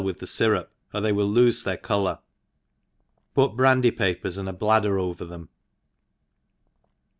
with the fyrup, or they will lodfe their colour, put brandy papers and a bladder over them.